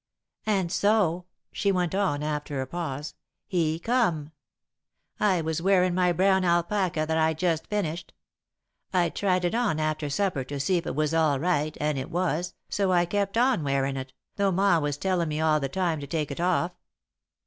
"And so," she went on, after a pause, "he come. I was wearin' my brown alpaca that I'd just finished. I'd tried it on after supper to see if it was all right, and it was, so I kept on wearin' it, though Ma was tellin' me all the time to take it off.